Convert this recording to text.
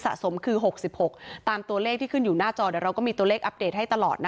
สะสมคือ๖๖ตามตัวเลขที่ขึ้นอยู่หน้าจอ